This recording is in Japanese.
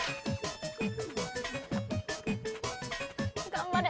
頑張れ！